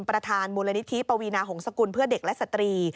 ประธานมูลนิธิปวีนาหงษกุลเพื่อเด็กและสตรี